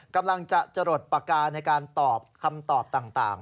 กำลังจะจรดปากกาในการตอบคำตอบต่าง